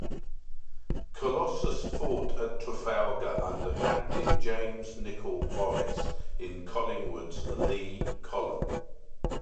"Colossus" fought at Trafalgar under Captain James Nicoll Morris, in Collingwood's lee column.